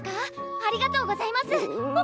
ありがとうございます！